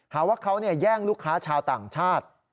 หาว่าเขาแย่งลูกค้าชาวต่างชาติ